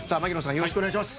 よろしくお願いします。